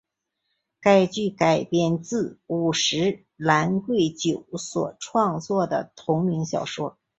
该剧改编自五十岚贵久所创作的同名小说。